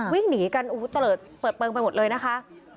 วิ่งหนีกันอาวุธตะเลิศเปิดเปลืองไปหมดเลยนะคะ